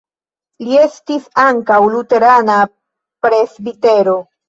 Li estis ankaŭ luterana presbitero.